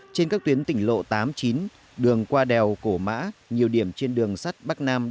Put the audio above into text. trên các tuyến tỉnh lộ tám mươi chín đường qua đèo cổ mã nhiều điểm trên đường sắt bắc nam